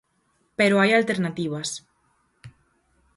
Pero hai alternativas.